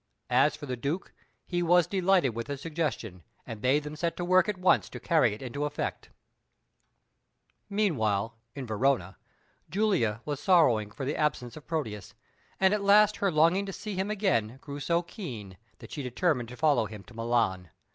As for the Duke, he was delighted with the suggestion, and bade them set to work at once to carry it into effect. Meanwhile, in Verona, Julia was sorrowing for the absence of Proteus, and at last her longing to see him again grew so keen that she determined to follow him to Milan.